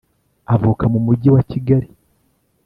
Avuka mu mujyi wa Kigali .